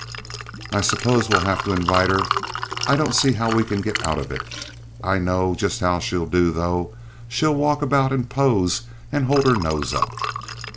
"I suppose we'll have to invite her; I don't see how we can get out of it. I know just how she'll do, though. She'll walk about and pose and hold her nose up."